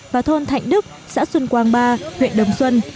và thôn thạnh đức xã xuân quang ba huyện đồng xuân